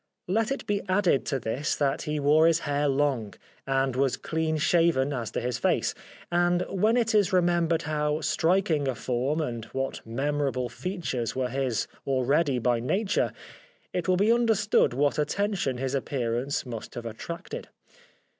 Let it be added to this that he wore his hair long, and was clean shaven as to his face; and when it is remembered how striking a form and what memorable features were his already by Nature it will be understood what attention his appearance must have attracted.